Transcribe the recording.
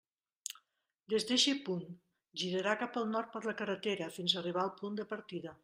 Des d'eixe punt, girarà cap al nord per la carretera, fins a arribar al punt de partida.